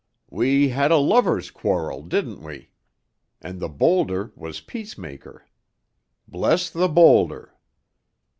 We had a lover's quarrel, didn't we? And the boulder was peacemaker. Bless the boulder!"